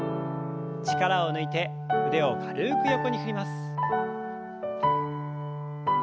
力を抜いて腕を軽く横に振ります。